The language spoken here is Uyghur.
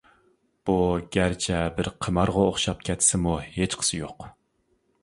بۇ گەرچە بىر قىمارغا ئوخشاپ كەتسىمۇ ھېچقىسى يوق.